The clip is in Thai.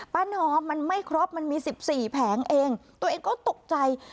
นอมมันไม่ครบมันมี๑๔แผงเองตัวเองก็ตกใจ